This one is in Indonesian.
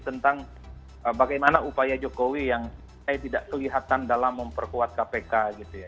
tentang bagaimana upaya jokowi yang saya tidak kelihatan dalam memperkuat kpk gitu ya